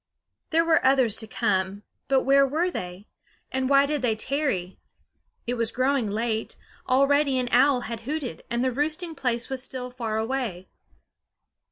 There were others to come; but where were they, and why did they tarry? It was growing late; already an owl had hooted, and the roosting place was still far away.